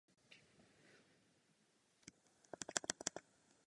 Můžete Parlament ujistit, že tato dvě doporučení uvedete do praxe?